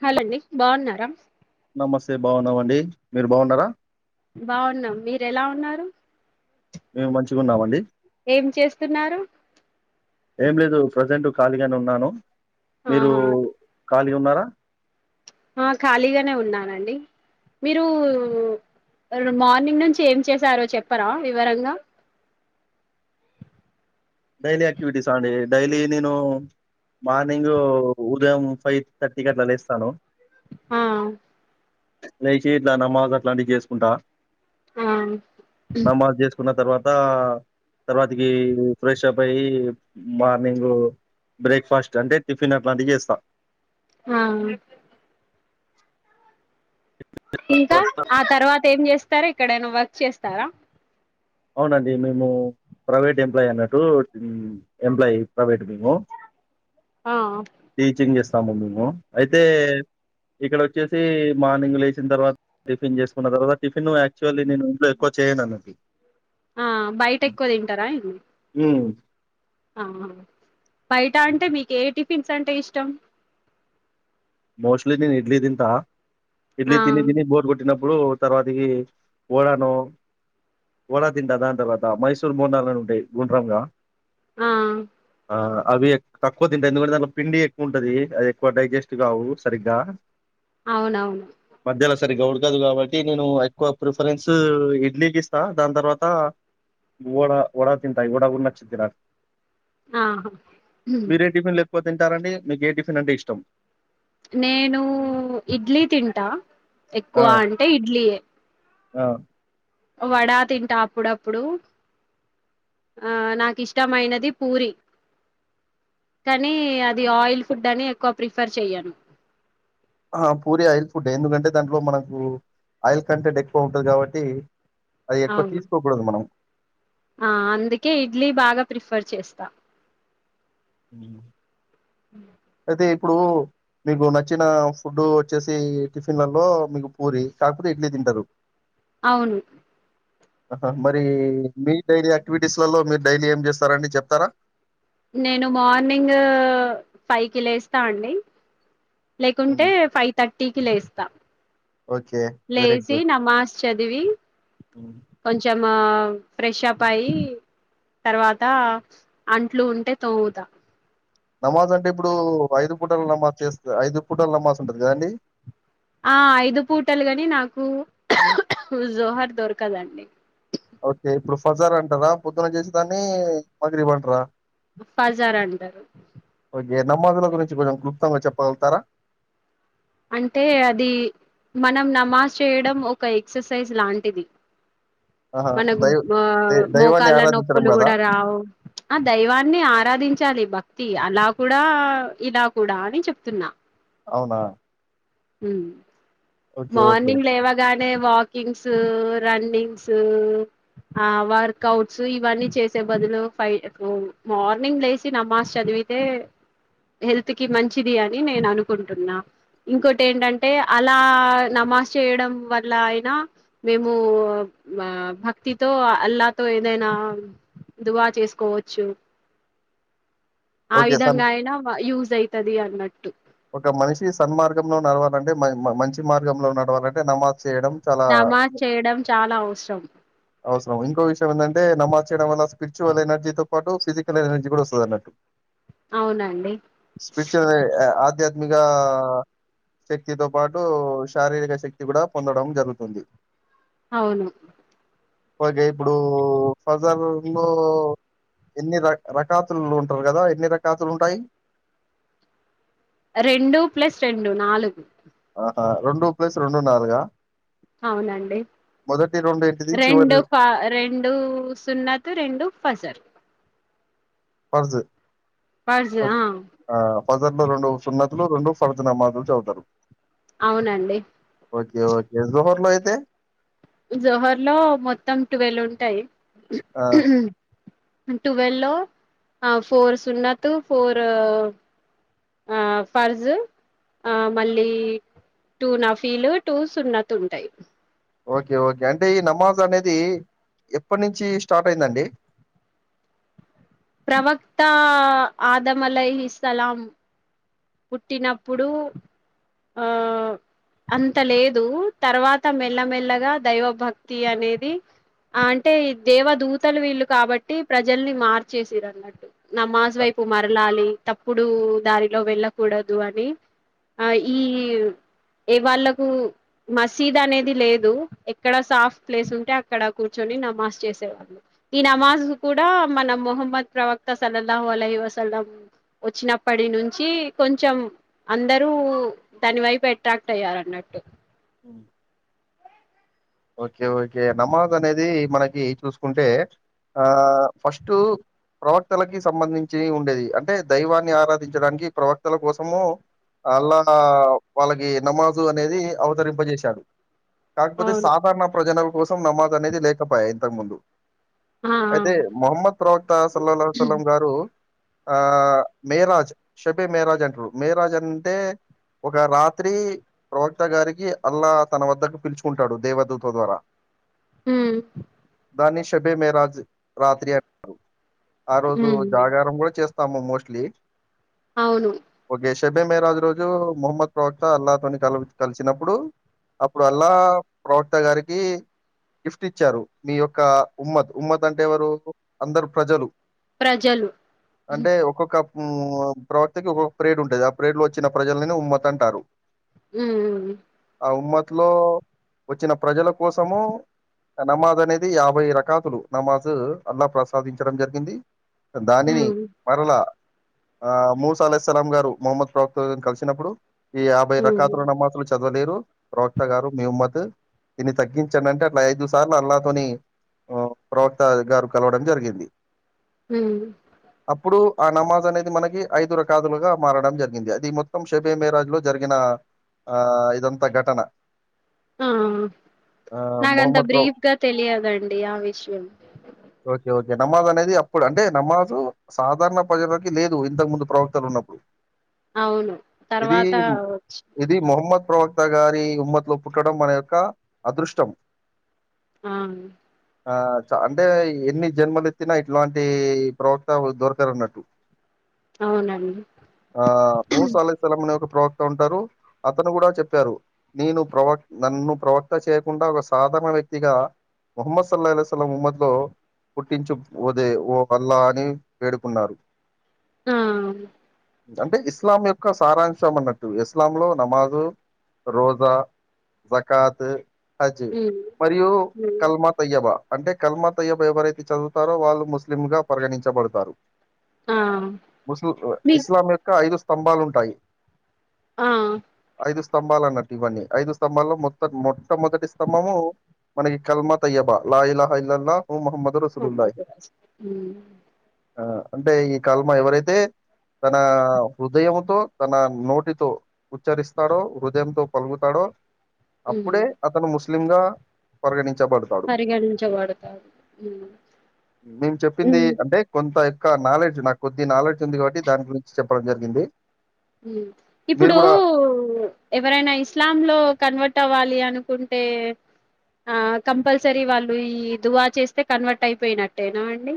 హాలండి బాగున్నారా? నమస్తే బాగున్నామండి. మీరు బాగున్నారా? బాగున్నాం. మీరు ఎలా ఉన్నారు? మేము మంచిగున్నామండి. ఏం చేస్తున్నారు? ఏం లేదు ప్రజెంట్ ఖాళీగనే ఉన్నాను. మీరు ఆహా ఖాళీ ఫ్రీ ఉన్నారా. ఆ ఖాళీగనే ఉన్నానండి. మీరు రు మార్నింగ్ నుంచి ఏం చేసారో చెప్పరా వివరంగా. డైలీ ఆక్టివిటీస్ ఆ అండి డైలీ నేను మార్నింగ్ ఉదయం ఫైవ్ థర్టీకి అట్లా లేస్తాను. ఆ లేచి ఇట్లా నమాజ్ అట్లాంటివి చేసుకుంటా. ఆ నమాజ్ చేసుకున్న తర్వాత తర్వాతికి ఫ్రెష్ అప్ అయ్యి మార్నింగ్ బ్రేక్ఫాస్ట్ అంటే టిఫిన్ అట్లాంటివి చేస్తా. ఆ ఇంకా ఆ తర్వాత ఏం చేస్తరు ఎక్కడైనా వర్క్ చేస్తరా. అవునండి మేము ప్రైవేట్ ఎంప్లాయీ అన్నట్టు ఎంప్లాయ్ ప్రైవేట్ మేము. ఆ టీచింగ్ చేస్తాము మేము అయితే ఇక్కడ వచ్చేసి మార్నింగ్ లేచిన తర్వా టిఫిన్ చేసుకున్న తర్వాత టిఫిన్ యాక్చువల్లీ నేను ఇంట్లో ఎక్కువ చేయను అన్నది. ఆ బయట ఎక్కువ తింటరా ఇన్ని హ్మ్. ఆహా బయట అంటే మీకు ఏ టిఫిన్స్ అంటే ఇష్టం. మోస్ట్లీ నేను ఇడ్లీ తింటా. ఇడ్లీ ఆ తిని తిని బోర్ గొట్టినపు ప్పుడు తర్వాతకి వొడానో వడా తింటా దాని తర్వాత మైసూర్ బోండాలని ఉంటయి గుండ్రంగా ఆ అవి ఎ తక్కువ తింటా. ఎందుకంటే దానిలో పిండి ఎక్కువ ఉంటది, అది ఎక్కువ డైజెస్ట్ కావు సరిగ్గా. అవునవును. మధ్యల సరిగ్గా ఉడకదు కాబట్టి నేను ఎక్కువ ప్రిఫరెన్స్ ఇడ్లీకి ఇస్తా దాని తర్వాత వడా వడ తింటా ఈ వడ కూడ నచ్చిద్ది నాకు. ఆ హ్ మీరే టిఫిన్‌లు ఎక్కువ తింటారండి. మీకు ఏ టిఫిన్ అంటే ఇష్టం? నేను ఇడ్లీ తింటా, ఎక్కువ ఆ! అంటే ఇడ్లీయే. ఆ వడా తింటా అప్పుడప్పుడు ఆ నాకు ఇష్టమైనది పూరి కానీ అది ఆయిల్ ఫుడ్ అని ఎక్కువ ప్రిఫర్ చెయను ఆ పూరి ఆయిల్ ఫుడ్ ఎందుకంటే దాంట్లో మనకు ఆయిల్ కంటెంట్ ఎక్కువ ఉంటది కాబట్టి అది ఎక్కువ అవును తీసుకోకూడదు మనం ఆ అందుకే ఇడ్లీ బాగా ప్రిఫర్ చేస్తా అది ఇప్పుడు మీకు నచ్చిన ఫుడ్ వచ్చేసి టిఫిన్లలో మీకు పూరి కాకపోతే ఇడ్లీ తిం టరు అవును హా మరి మీ డైలీ యాక్టివిటీస్లలో మీరు డైలీ ఏం చేస్తారండి చెప్తారా నేను మార్నింగ్ ఫైవ్ కి లేస్తా అండి లేకుంటే ఉమ్, ఫైవ్ తర్టీకి లేస్త ఓకే వెరీ లేేసి గుడ్ నమాస్ చదివి ఉమ్. కొంచెం ఫ్రెషప్ అయ్యి తర్వాత అంట్లు ఉంటే తోముతా నమాజ్ అంటే ఇప్పుడు ఐదు పూటలు నమాజ్ చేస్త ఐదు పూటల నమాజ్ ఉంటది కదండి ఆ ఐదు పూటలు కాని నాకు జోహార్ దొరకదండి ఓకే ఇప్పుడు ఫజార్ అంటారా పొద్దున చేసేదాన్ని మగరీబ్ అంటారా ఫజార్ అంటారు నమోదుల గురించి కొంచెం క్లుప్తంగా చెప్పగలుగుతారా అంటే అది మనం నమాజ్ చేయడం ఒక ఎక్సర్సైజ్ లాంటిది ఆహా మనకు దైవ ఆ దై- దైవాన్ని మోకాళ్ళ ఆరాధించడం నొప్పులు కదా కూడా రావు ఆ దైవాన్ని ఆరాధించాలి భ [unintelligible] అలా కూడా ఇలా కూడా అని చెప్తున్నా అవునా ఓకే ఓకే మార్నింగ్ లేవగానే వాక్ కింగ్స్ రన్నింగ్సూ ఆ వర్కౌట్స్ ఇవన్నీ చేసే బదులు ఫై మార్నింగ్ లేచి నమాజ్ చదివి తే హెల్త్ కి మంచిది అని నేను అనుకుంటున్నా ఇంకోటి ఏంటంటే అలా నమాజ్ చేయడం వల్ల అయినా మేము భక్తితో అల్లా తో ఏదైనా దువా చేసుకోవచ్చు ఆ ఓకే సన్ విధంగా అయినా యూజ్ అయితది అన్నట్టు ఒక మనిషి సన్మార్గంలో నడవాలంటే మంచి మార్గంలో నడవాలంటే నమా చేయడం చాలా నమాజ్ చేయడం చాలా అవసరం అవసరం ఇంకో విషయం ఏంటంటే నమాజ్ చేయడం వల్ల స్పిరిచ్వల్ ఎనర్జీతో పాటు ఫిజికల్ ఎనర్జీ కూడా వస్తది అనట్టు అవునండి స్పిరిచ్వల్లీ ఆధ్యాత్మికా శక్తితో పాటు శారీరక శక్తి కూడా పొందడం జరుగుతుంది అవును ఓకే ఇప్పుడు [unintelligible] ఎన్ని రకాతులు ఉంటారు కదా ఎన్ని రకాతులు ఉంటాయి రెండు ప్లస్ రెండు నాలుగు ఆ రెండు ప్లేస్ రెండు నాలుగా అవునండి మొదటి రెండు ఏంటిది చివరి రెండు ఫ రెండు సున్నతు రెండు ఫజర్ పర్దు [unintelligible] ఆ ఫజర్ లో రెండు సున్నతులు రెండు ఫర్దు నమాజులు చదువుతరు అవునండి ఓకే ఓకే జోహర్ లో అయితే జోహర్ లో మొత్తం టువెల్ ఉంటాయి ఆ టువెల్ లో ఆ ఫోర్ సున్నతు ఫోర్ ఉ ఆ ఫర్జు ఆ మళ్ళీ టూ నఫీలు టూ సున్నతు ఉంటాయి ఓకే ఓకే అంటే ఈ నమాజ్ అనేది ఎప్పటి నుంచి స్టార్ట్ అయిందండి ప్రవక్త ఆదమల్లాహి సలాం పుట్టినప్పుడు ఆ... అంత లేదు తర్వాత మెల్లమెల్లగా దైవభక్తి అనేది అంటే దేవ దూతలు వీళ్ళు కాబట్టి ప్రజల్ని మార్చేసిరన్నట్టు నమాజు వైపు ప్పు మరలాలి తప్పుడు ఉ దారిలో వెళ్ళకూడదు అని ఆ ఈ ఏ వాళ్ళకు మసీద్ అనేది లేదు ఎక్కడ సాఫ్ ప్లేస్ ఉంటే అక్కడ కూర్చొని న్ నమాజ్ చేసేవాళ్లు ఈ నమాజ్ కూడా మన మొహమ్మద్ ప్రవక్త సల్లలాహు అల్ల యు సల్ లం వచ్చినప్పటి నుంచి కొంచెం అందరూ దాని వైపు ఎట్రాక్ట్ అయ్యారు అన్నట్టు ఉ ఓకే ఓకే నమాజ్ అనేది మనకి చూసుకుంటే ఆ ఫస్టు ఊ ప్రవక్తలకి సంబంధించి ఉండేది అంటే దైవాన్ని ఆరాధించడానికి ప్రవక్తల కోసము అలా వాళ్ళకి నమాజు అనేది అవతరింపజేశాడు కాకపోతే అవును సాధారణ ప్రజనం కోసం నమాజు అనేది లేకపోయా ఇంతకుముందు ఆ ఆ అయితే మహమ్మద్ ప్రవక్త సల్లలం సలం గారు ఆ మేరాజ్ షేబె మేరాజ్ అంటరు మేరాజ్ అంటే ఒక రాత్రి ప్రవక్త గారికి అల్లా తన వద్దకు పిలుచుకుంటాడు దేవదూత ద్వారా మ్మ్ దాన్ని షేబే మేరాజ్ రాత్రి అంటుర్ ఆ రోజు ఉమ్ జాగారం కూడా చేస్త్ తాము మోస్ట్లీ అవును షేబె మేరాజు రోజు ముహమ్మద్ ప్రవక్త అల్లాహతోని కల కలిసినప్పుడు అప్పుడు అల్లాహబ్ ప్రవక్త గారికి గిఫ్ట్ ఇచ్చారు మీ యొక్క ఉమ్మత్ ఉమ్మత్ అంటే ఎవరు అందరు ప్రజలు ప్రజలు ఉ అ ప్రవక్త ఒక ప్రేడ్ ఉంటది ఆ ప్రేడ్ లో వచ్చిన ప్రజలని ఉమ్మత్ అంటారు మ్మ్ హ్హ్ ఆ ఉమ్మతు లో వచ్చిన ప్రజల కోసము నమాజ్ అనేది యాభై రకాతులు నమాజ్ అల్లా ప్రసాదించడం జరిగింది దానిని ఉమ్ మరలా ఆ మూస అలే సలాం గారు ముహమ్మద్ ప్రవక్తను కలిసినప్పుడు ఈ యాభై ఉమ్ రకాతుల నమాజులు చది వ్ వలేరు ప్రవక్త గారు మీ ఉమ్మత్ దీన్ని తగ్గించండి అంటే అట్ల ఐదు సార్లు అల్లాతోని ఆ ప్రవక్త ఆ గారు కలవడం జరిగింది మ్మ్ హ్ అప్పుడు ఆ నమాజ్ అనేది మనకి ఐదు రకాదులుగా మారడం జరిగింది అది మొత్తం షెబే మేరాజ్ లో జరిగిన ఆ ఆ ఇదంత ఘటన ఆ ఆహ్, నాకంత మొహమ్మద్ ప్రొ బ్రీఫ్గా తెలియదండి ఆ విషయం ఓకే. నమాజ్ అనేది అప్పుడు అంటే నమాజ్ సాధారణ ప్రజలకి లేదు ఇంతకు ముందు ప్రవక్తలు ఉన్నప్పుడు అవును ఇది తర్వాత వచ్చి ఇది మహమ్మద్ ప్రవక్త గారి ఉమ్మత్ లో పుట్టడం మన యొక్క అదృష్టం ఆ ఆ అంటే ఎన్ని జన్మలు ఎత్తినా ఇట్లాంటి ప్రవక్త దొరకారున్నట్టు అవునండి ఆ మూస్ అల్ల్ ప్రవక్త ఉంటారు అతను కూడా చెప్పారు నేను ప్రవక్త నన్ను ప్రవక్త చేయకుండా ఒక సాధారణ వ్యక్తిగా ముహమ్మద్ సల్లాల్ సలం ముహ్మద్ లో పుట్టించుదే ఓ వల్లా అని వేడుకున్నారు ఉమ్ అంటే ఇస్లాం యొక్క సారాంశం అన్నట్టు ఇస్లాం లో నమాజు రోజా జకాత్ హజ్ ఉమ్ మరియు ఉమ్ కల్మా తయ్యబ అంటే కల్మా తయ్యబ ఎవరైతే చదువుతారో వాళ్ళు ముస్లిం గా పరిగణించబడతారు ఆ మీ ఇస్లాంక్క ఐదు స్తంభాలుంటాయి ఆ ఐ స్తంబాలన్నట్టు ఇవన్నీ ఐదు స్ంభాల్లో మొ మొట్టమొదటి స్తంభము మనకి కల్మత్ అయ్యబ లాలా అే ఆ అంటే ఈ కాలమా ఎవరైతే తన హృదయంతో తన నోటితో ఉచ్చరిస్తాడో హృదయంతో పలుగుతాడో ఉమ్ అప్పుడే అతను ముస్లిం గా పరిగణించ చెబడతాడు పరిగణించబడతారు ఉమ్ మేము చెప్పింది అంటే కొంత ఒక నాలెడ్జ్ నాకు కొద్ది నాలెడ్జ్ ఉంది కాబట్టి దాని గురించి చెప్పడం జరిగింది మీరు ఇప్పుడు కూడా ఎవరైనా ఇస్లాం లో కన్వర్ట్ అవ్వాలి అనుకుంటే ఆ కంపల్సరీ వాళ్ళు ఈ దువా చేస్తే కన్వర్ట్ అయిపోయినట్టేనా అండి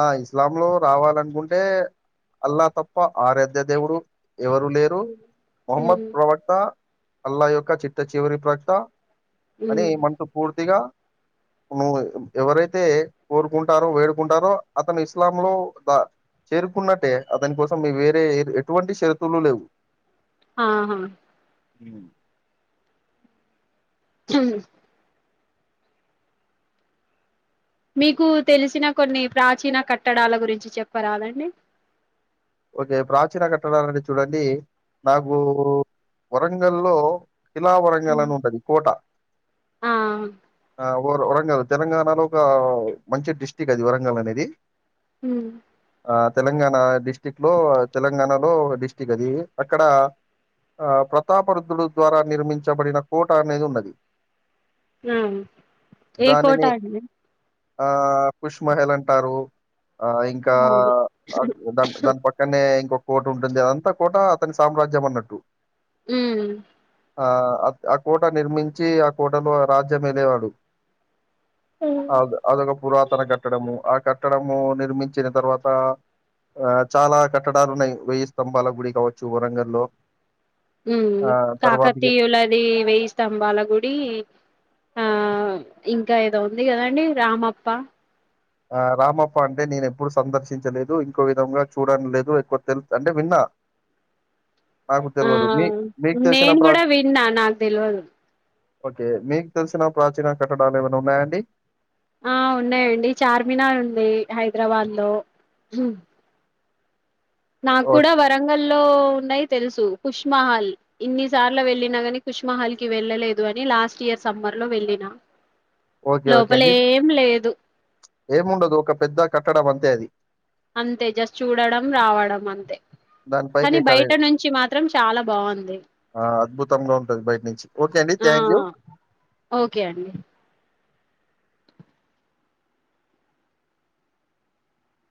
ఆ ఇస్లాం లో రావాలనుకుంటే అల్లా తప్ప ఆరాధ్య దేవుడు ఎవరు లేరు ఉమ్ మహమ్మద్ ప్రవక్త అల్లా యొక్క చిట్ట చివరి ప్రవక్త అని ఉమ్ మనసు పూర్తిగా నువ్వు ఎవరైతే కోరుకుంటారో వేడుకుంటారో అతను ఇస్లాం లో ద చేరుకున్నట్టే అతని కోసం వేరే ఎటువంటి షరతులు లేవు ఆహా అ హ మీకు తెలిసిన కొన్ని ప్రాచీన కట్టడాల గురించి చెప్పరాలండి ఒక ప్రాచీన కట్టడాది చూడండి నాకు వరంగల్లో కిలా వరంగల్ హ్మ్ అని ఉంటది కోట ఆ ఆ వరంగల్ తెలంగాణలో ఒక మంచి డిస్టిక్ట్ అది వరంగల్ అనేది మ్మ్ ఆ తెలంగాణ డిస్టిక్ లో తెలంగాణలో డిస్టిక్ట్ అది అక్కడ ఆ ప్రతాప రుద్రుడు ద్వారా నిర్మించబడిన కోట అనేది ఉన్నది ఆ ఏ కోట ఆడి ఆ పుష్ మహల్ అంటారు ఆ ఇంకా అవును దా దాని పక్కనే ఇంకొక కోట ఉంటుంది అదంతా కోట అతని సామ్రాజ్యం అన్నట్టు ఉ ఆ ఆ కోట నిర్మించి ఆ కోటలో రాజ్యం వెళ్ళవాడు అదు అదప్పు పురాతన కట్టడము ఆ కట్టడము నిర్మించిన తర్వాత ఆ చాలా కట్టడాలు ఉన్నాయి వెయ్యి స్తంభాలకు గుడి కావచ్చు వరంగ లో కాకతీయులది వెయ్యి స్తంభాల గుడి ఆ ఇంకా ఏదో ఉంది కదండి రామప్ప ఆ రామప్ప అంటే నేను ఎప్పుడు సందర్శించలేదు ఇంకో విధంగా చూడ లేదు ఎక్కువ తెలు అంటే విన్నా నాకు ఆ తెల్వదు. మీ మీకు తెలిసిన నేను ప్రా కూడా విన్నా నాకు తెలవదు ఓకే మీకు తెలిసిన ప్రాచీన కట్టడాలు ఏమైనా ఉన్నాయాండి ఆ ఉన్నాయండి చార్మినార్ ఉంది హైదరాబాద్ లో నాకు ఓకే. కూడా వరంగలో ఉన్నాయి తెలుసు కుష్మహల్ ఇన్ని సార్లు వెళ్ళిన కానీ కుష్మహల్ కి వెళ్ళలేదు అని లాస్ట్ ఇయర్ సమ్మర్ లో ఎల్లిన ఓకే ఓకే అండి ఏముండదు ఒక పెద్ద కట్టడం అంతే అది అంతే జస్ట్ చూడడం రావడం అంతే దాని కానీ పైకెక్కాలి. బయట నుంచి మాత్రం చాలా బాగుంది ఆ అద్భుతంగా ఉంటుంది బయట నుంచి ఓకే అండి ఆ థ్యాంక్ యూ ఓకే అండి